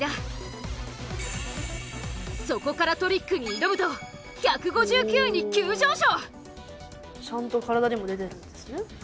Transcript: そこからトリックに挑むと１５９に急上昇！